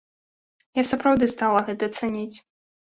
Я сапраўды стала гэта цаніць.